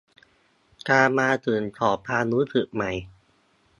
การมาถึงของความรู้สึกใหม่